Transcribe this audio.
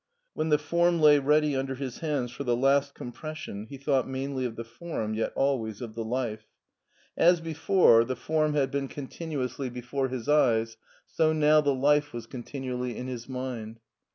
When the form lay ready under his hands for the last com pression, he thought mainly of the form, yet always of the life. As before the form had been continuously 3(H MARTIN SCHULER before his eyes, so now the life was continually in his mind.